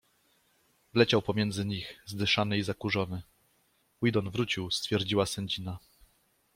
Wleciał pomiędzy nich, zdyszany i zakurzony. - Weedon wrócił stwierdziła sędzina.